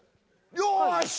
よし！